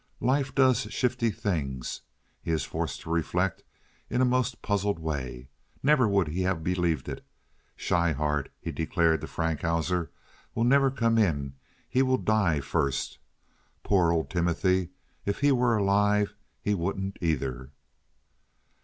Life does shifty things, he is forced to reflect in a most puzzled way. Never would he have believed it! "Schryhart," he declared to Frankhauser, "will never come in. He will die first. Poor old Timothy—if he were alive—he wouldn't either."